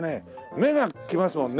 目がきますもんね。